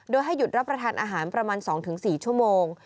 โดยให้หยุดรับประทานอาหารประมาณ๒๔ชั่วโมง